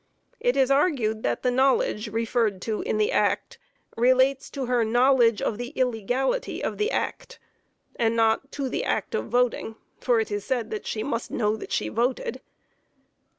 It is argued that the knowledge referred to in the act relates to her knowledge of the illegality of the act, and not to the act of voting; for it is said that she must know that she voted.